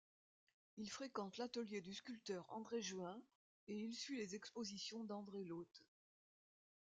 Il fréquente l'atelier du sculpteur André Juin, et il suit les expositions d'André Lhote.